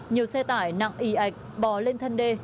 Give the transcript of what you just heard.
nhiều xe tải nặng y ạch bò lên thân đê